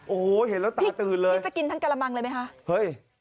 โอ้โฮเห็นแล้วตาตื่นเลยพี่จะกินทั้งกระบังเลยไหมคะ